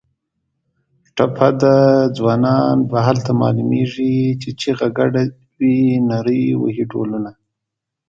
ټپه ده: ځوانان به هله معلومېږي چې چیغه ګډه وي نري وهي ډولونه